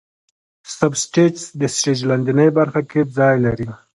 سب سټیج د سټیج لاندینۍ برخه کې ځای لري.